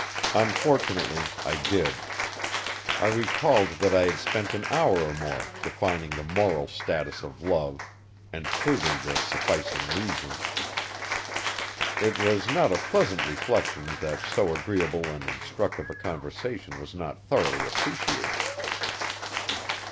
Unfortunately I did. I recalled that I had spent an hour or more defining the moral status of love and proving the sufficing reason. It was not a pleasant reflection that so agreeable and instructive a conversation was not thoroughly appreciated.